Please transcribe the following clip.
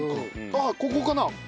あっここかな？